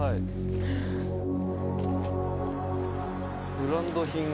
「ブランド品が」